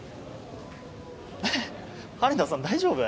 えっ羽田さん大丈夫？